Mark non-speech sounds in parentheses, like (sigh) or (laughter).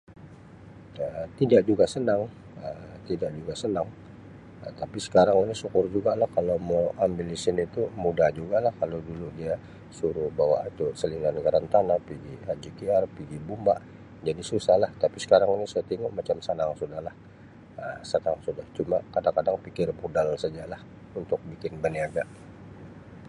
Um Tidak juga senang, Um tidak juga senang Um tapi sekarang ini syukur jugalah kalau mau ambil lesen itu mudah jugalah kalau dulu dia suruh bawa salinan geran tanah, pigi JKR, pigi bomba jadi susahlah tapi sekarang ini saya tingu macam senang sudahlah Um (unintelligible) cuma pikir modal saja lah untuk bikin berniaga.